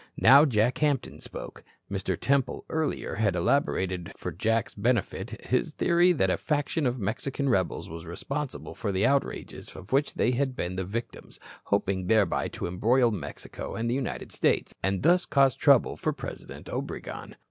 Now Jack Hampton spoke. Mr. Temple earlier had elaborated for Jack's benefit his theory that a faction of Mexican rebels was responsible for the outrages of which they had been the victims, hoping thereby to embroil Mexico and the United States and thus cause trouble for President Obregon.